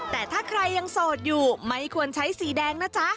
แต่ถ้าใครยังโสดอยู่ไม่ควรใช้สีแดงนะจ๊ะ